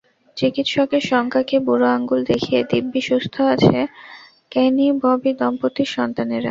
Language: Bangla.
চিকিৎসকের শঙ্কাকে বুড়ো আঙুল দেখিয়ে দিব্যি সুস্থ আছে কেনি-ববি দম্পতির সন্তানেরা।